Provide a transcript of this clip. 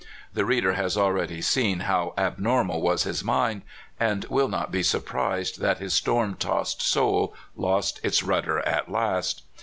The reader has already seen how abnormal was his mind, and will not be surprised that his storm tossed soul lost its rudder at last.